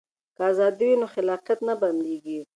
که ازادي وي نو خلاقیت نه بنديږي.